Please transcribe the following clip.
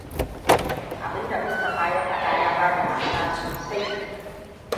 Abinda Mustapha ya faɗa ya bada ma'ana sosai.